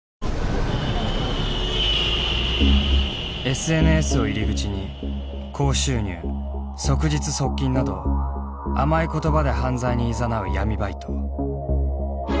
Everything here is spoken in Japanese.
ＳＮＳを入り口に高収入即日即金など甘い言葉で犯罪にいざなう闇バイト。